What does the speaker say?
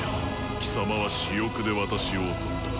貴様は私欲で私を襲った。